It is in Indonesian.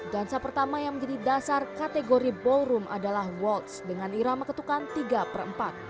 dansa pertama yang menjadi dasar kategori ballroom adalah waltz dengan irama ketukan tiga per empat